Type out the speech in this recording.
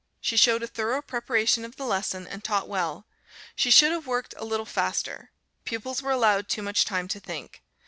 She showed a thorough preparation of the lesson and taught well. She should have worked a little faster. Pupils were allowed too much time to think.